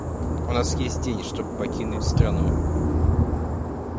У нас есть день, чтобы покинуть страну.